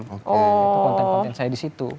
itu konten konten saya di situ